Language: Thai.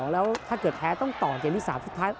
แล้วถ้าเกิดแพ้ต้องต่อเกมที่๓สุดท้าย